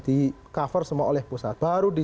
di cover semua oleh pusat baru di